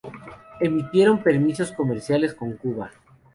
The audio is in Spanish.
Emitieron permisos comerciales con Cuba.